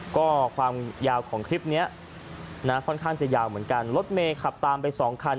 ก็ความยาวของคลิปเนี้ยนะค่อนข้างจะยาวเหมือนกันรถเมย์ขับตามไปสองคัน